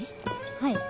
はい。